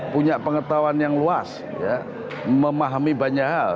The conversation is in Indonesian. punya pengetahuan yang luas memahami banyak hal